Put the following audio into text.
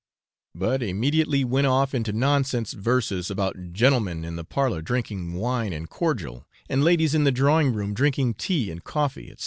but immediately went off into nonsense verses about gentlemen in the parlour drinking wine and cordial, and ladies in the drawing room drinking tea and coffee, &c.